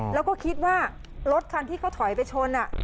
แล้วก็คิดว่ารถคันที่เขาถอยไปชน